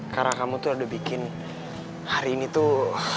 karena kamu tuh udah bikin hari ini tuh